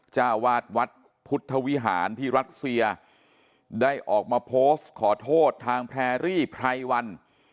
เจ้าวาดวัดพุทธวิหารที่รัสเซียได้ออกมาโพสต์ขอโทษทางแพรรี่ไพรวัน